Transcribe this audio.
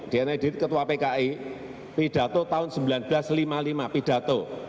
dna edit ketua pki pidato tahun seribu sembilan ratus lima puluh lima pidato